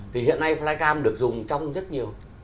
thì hiện nay flycam được dùng trong rất nhiều